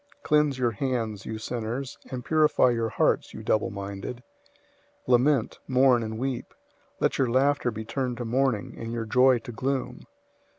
Cleanse your hands, you sinners; and purify your hearts, you double minded. 004:009 Lament, mourn, and weep. Let your laughter be turned to mourning, and your joy to gloom.